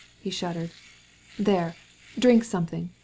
He shuddered. "But do drink something.